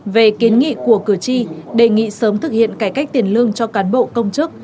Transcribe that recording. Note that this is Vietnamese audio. về kiến nghị của cử tri đề nghị sớm thực hiện cải cách tiền lương cho cán bộ công chức